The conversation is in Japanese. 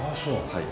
はい。